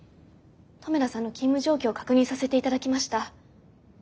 留田さんの勤務状況を確認させて頂きました。